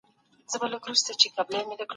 تجربه محدوده کېدای سي.